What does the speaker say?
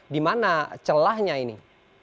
di mana celahnya ini